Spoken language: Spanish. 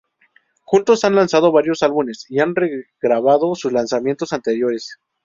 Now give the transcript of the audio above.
Juntos han lanzado varios álbumes y han regrabado sus lanzamientos anteriores.